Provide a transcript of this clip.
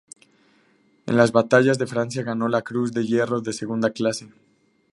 En las batallas de Francia ganó la Cruz de Hierro de segunda clase.